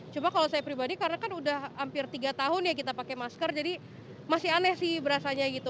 cuma kalau saya pribadi karena kan udah hampir tiga tahun ya kita pakai masker jadi masih aneh sih berasanya gitu